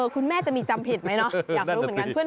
คุณแม่จะมีจำผิดไหมเนาะอยากรู้เหมือนกัน